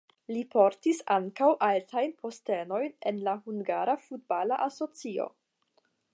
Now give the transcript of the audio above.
Li portis ankaŭ altajn postenojn en la hungara futbala asocio.